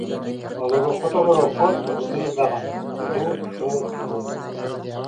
Олоруоххут, олоруоххут, бу кыыс даҕаны, тьфу, тьфу, тьфу